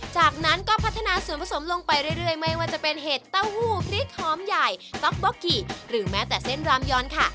จากนั้นก็พัฒนาส่วนผสมลงไปเรื่อยไม่ว่าจะเป็นเห็ดเต้าหู้พริกหอมใหญ่ต๊อกบล็อกกี่หรือแม้แต่เส้นรามยอนค่ะ